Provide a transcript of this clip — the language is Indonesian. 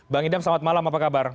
bang idam selamat malam apa kabar